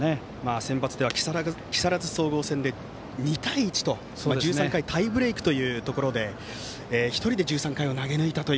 センバツでは木更津総合戦２対１と１３回タイブレークという中で１人で１３回を投げ抜きました。